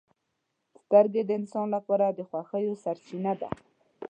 • سترګې د انسان لپاره د خوښیو سرچینه ده.